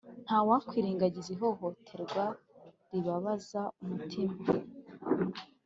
nta wakwirengagiza ihohoterwa ribabaza umutima